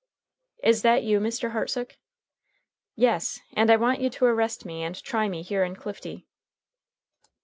"Is that you, Mr. Hartsook?" "Yes, and I want you to arrest me and try me here in Clifty."